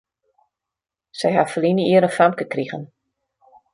Sy ha ferline jier in famke krigen.